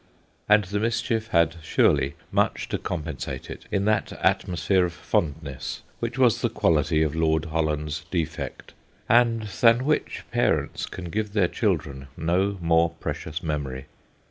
And the mischief had surely much to compensate it in that atmosphere of fondness which was the quality of Lord Holland's defect, and than which parents can give their children no more precious memory.